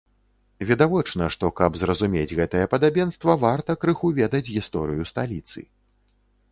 Відавочна, што, каб зразумець гэтае падабенства, варта крыху ведаць гісторыю сталіцы.